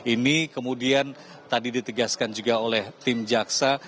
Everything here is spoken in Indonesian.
ini kemudian tadi ditegaskan juga oleh tim jaksa